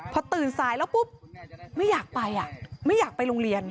พอตื่นสายแล้วปุ๊บไม่อยากไปไม่อยากไปโรงเรียน